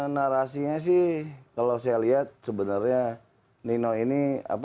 narasinya sih kalau saya lihat sebenarnya nino ini